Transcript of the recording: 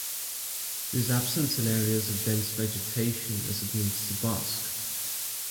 It is absent in areas of dense vegetation as it needs to bask.